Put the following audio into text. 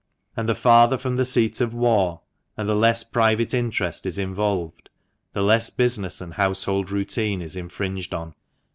And the farther from the seat of war, and the less private interest is involved, the less business and household routine is infringed on.